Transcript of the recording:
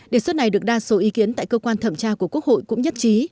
đề xuất này được đa số ý kiến tại cơ quan thẩm tra của quốc hội cũng nhất trí